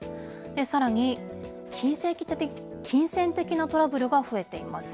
さらに、金銭的なトラブルが増えています。